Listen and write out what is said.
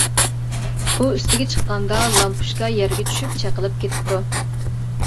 ئۇ ئۈستىگە چىققاندا لامپۇچكا يەرگە چۈشۈپ چېقىلىپ كېتىپتۇ.